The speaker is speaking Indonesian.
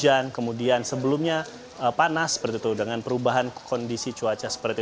berada ada hujan kemudian sebelumnyaiin panas pergi tuh dengan perubahan kondisi coba misi